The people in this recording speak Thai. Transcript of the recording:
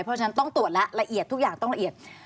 เพราะฉะนั้นต้องตรวจแล้วละเอียดทุกอย่างต้องละเอียด